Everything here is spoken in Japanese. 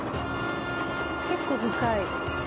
結構深い。